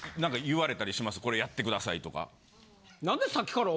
これやってくださいとか。